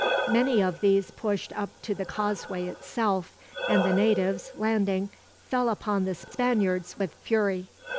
Many of these pushed up to the causeway itself; and the natives, landing, fell upon the Spaniards with fury.